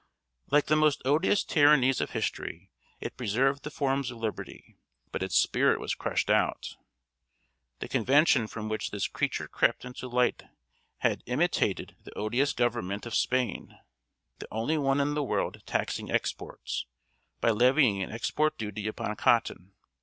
] Like the most odious tyrannies of history, it preserved the forms of liberty; but its spirit was crushed out. The Convention from which this creature crept into light had imitated the odious government of Spain the only one in the world taxing exports by levying an export duty upon cotton.